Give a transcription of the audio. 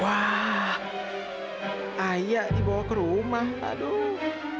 wah ayah dibawa ke rumah aduh